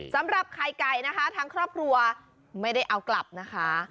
สำหรับไข่ไก่นะคะทางครอบครัวไม่ได้เอากลับนะคะ